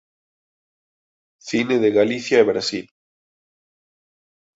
Cine de Galicia e Brasil